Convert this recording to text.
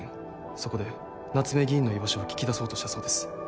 そこで夏目議員の居場所を聞き出そうとしたそうです。